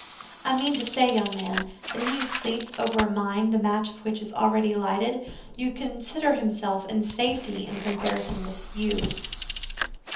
"I mean to say, young man, that he who sleeps over a mine the match of which is already lighted, may consider himself in safety in comparison with you."